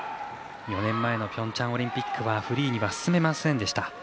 ４年前のピョンチャンオリンピックはフリーには進めませんでした。